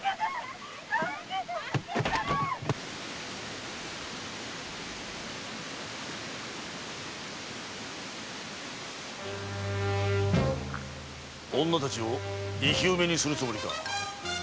・助けてぇ‼女たちを生き埋めにするつもりか？